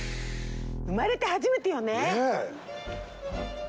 生まれて初めてよね。